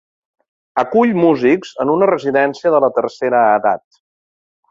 Acull músics en una residència de la tercera edat.